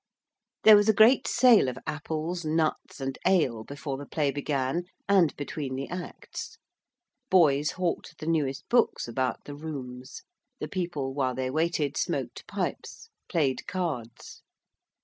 There was a great sale of apples, nuts, and ale before the play began and between the acts: boys hawked the newest books about the 'rooms': the people while they waited smoked pipes, played cards.